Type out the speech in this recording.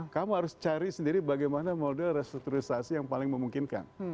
kamu harus cari sendiri bagaimana model restrukturisasi yang paling memungkinkan